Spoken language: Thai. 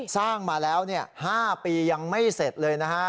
สร้างมาแล้ว๕ปียังไม่เสร็จเลยนะฮะ